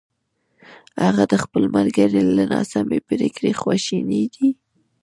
هغه د خپل ملګري له ناسمې پرېکړې خواشینی دی!